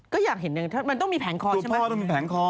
ก็อยากเห็นหนึ่งต้องมีแผงคอใช่มั้ย